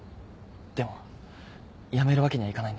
でもやめるわけにはいかないんだ。